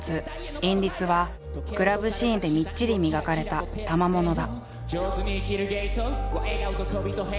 「韻律」はクラブシーンでみっちり磨かれた賜物だ。